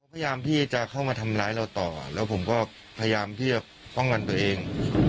พยายามที่จะเข้ามาทำร้ายเราต่อแล้วผมก็พยายามที่จะป้องกันตัวเอง